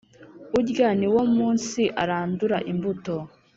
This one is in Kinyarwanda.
Urya ni wo munsi arandura imbuto